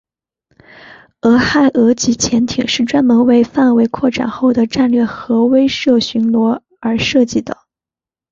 俄亥俄级潜艇是专门为范围扩展后的战略核威慑巡逻而设计的。